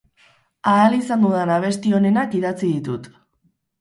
Ahal izan dudan abesti onenak idatzi ditut.